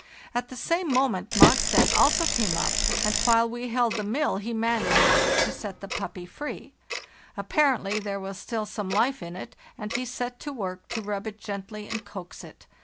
At the same moment Mogstad also came up, and while we held the mill he managed to set the puppy free. Apparently there was still some hfe in it, and he set to work to rub it gently and coax it.